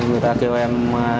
người ta kêu em